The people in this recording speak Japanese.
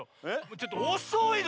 ちょっとおそいの！